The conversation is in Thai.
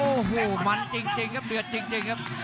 โอ้โหมันจริงจริงครับเดือดจริงจริงครับ